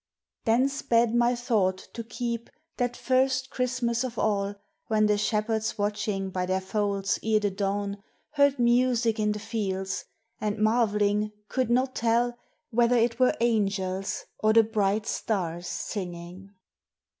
Then sped my thought to keep that first Christmas of all When the shepherds watching by their folds ere the dawn Heard music in the fields and marveling could not tell Whether it were angels or the bright stars singing.